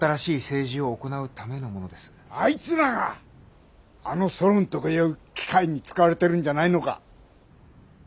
あいつらがあのソロンとかいう機械に使われてるんじゃないのか！